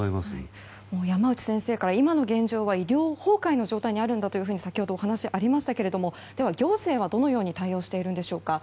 山内先生から今の現状は医療崩壊の状態にあるんだと先ほど話がありましたけどでは、行政はどう対応しているんでしょうか。